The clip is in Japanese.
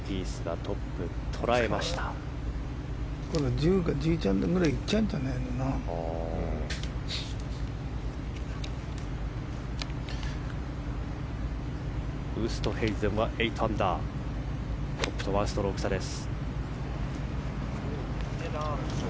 トップと１ストローク差です。